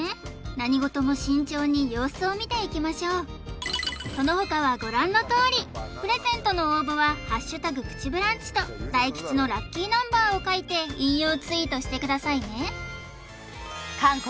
何事も慎重に様子を見ていきましょうそのほかはご覧のとおりプレゼントの応募は「＃プチブランチ」と大吉のラッキーナンバーを書いて引用ツイートしてくださいね韓国